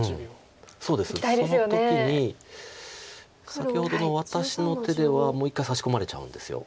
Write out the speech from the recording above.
先ほどの私の手ではもう一回サシ込まれちゃうんです。